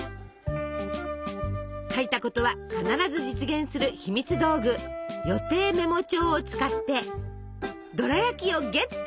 書いたことは必ず実現するひみつ道具「予定メモ帳」を使ってドラやきをゲット！